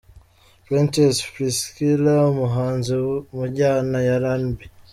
Princess Priscillah, umuhanzi mu njyana ya RnB.